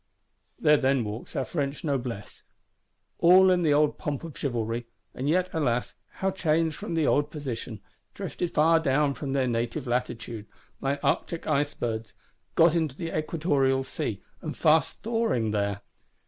There then walks our French Noblesse. All in the old pomp of chivalry: and yet, alas, how changed from the old position; drifted far down from their native latitude, like Arctic icebergs got into the Equatorial sea, and fast thawing there!